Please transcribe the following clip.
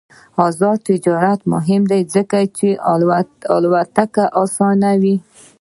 آزاد تجارت مهم دی ځکه چې الوتکې اسانوي.